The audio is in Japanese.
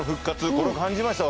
これを感じました